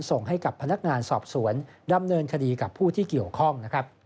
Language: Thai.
ส่งให้กับพนักงานสอบสวนดำเนินคดีกับผู้ที่เกี่ยวข้องนะครับ